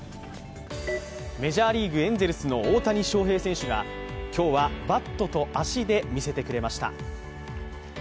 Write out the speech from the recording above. メジャーリーグ、エンゼルスの大谷翔平選手が今日はバットと足で見せてくれました。